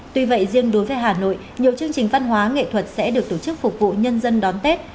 tuy vậy riêng đối với hà nội nhiều chương trình văn hóa nghệ thuật sẽ được tổ chức phục vụ nhân dân đón tết